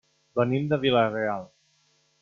Venim de Vila-real.